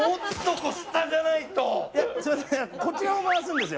こちらを回すんですよ。